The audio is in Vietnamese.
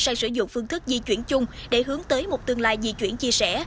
sang sử dụng phương thức di chuyển chung để hướng tới một tương lai di chuyển chia sẻ